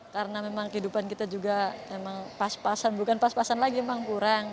karena memang kehidupan kita juga pas pasan bukan pas pasan lagi memang kurang